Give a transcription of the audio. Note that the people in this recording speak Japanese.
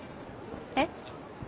えっ？